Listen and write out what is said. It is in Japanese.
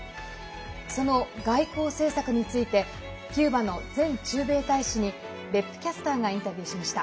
その外交政策についてキューバの前駐米大使に別府キャスターがインタビューしました。